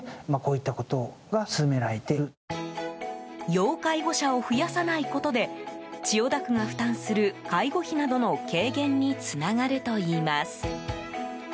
要介護者を増やさないことで千代田区が負担する介護費などの軽減につながるといいます。